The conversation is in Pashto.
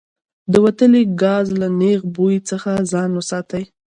د وتلي ګاز له نیغ بوی څخه ځان وساتئ.